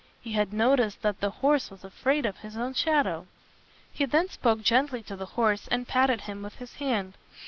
He had noticed that the horse was afraid of his own shadow. He then spoke gently to the horse, and patted him with his hand.